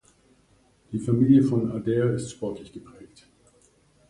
Die Familie von Adair ist sportlich geprägt.